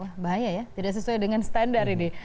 wah bahaya ya tidak sesuai dengan standar ini